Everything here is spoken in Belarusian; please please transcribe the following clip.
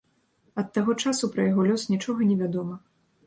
Ад таго часу пра яго лёс нічога невядома.